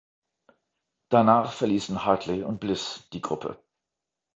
Danach verließen Hartley und Bliss die Gruppe.